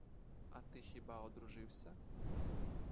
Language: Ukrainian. А ти хіба одружився?